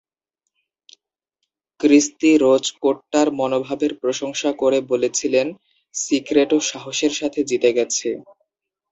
ক্রিস্তি Roach কোটটার মনোভাবের প্রশংসা করে বলেছিলেন, সিক্রেটো সাহসের সাথে জিতে গেছে।